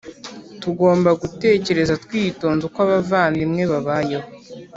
Tugomba gutekereza twitonze uko abavandimwe babayeho